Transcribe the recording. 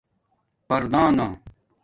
پردانݣہ